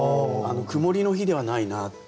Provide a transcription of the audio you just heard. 曇りの日ではないなっていう。